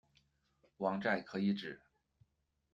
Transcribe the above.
王寨可以指：